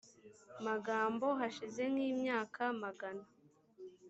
magambo hashize nk imyaka magana